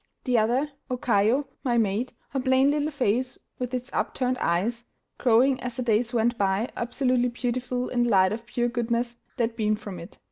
The other, O Kaio, my maid, her plain little face, with its upturned eyes, growing, as the days went by, absolutely beautiful in the light of pure goodness that beamed from it.